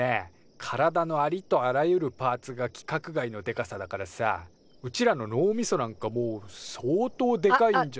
体のありとあらゆるパーツが規格外のでかさだからさうちらの脳みそなんかもう相当でかいんじゃ。